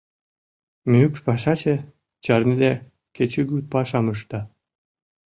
Мӱкш-пашаче чарныде кечыгут пашам ышда.